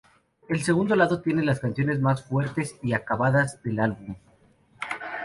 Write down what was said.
El segundo lado tiene las canciones más fuertes y acabadas del álbum.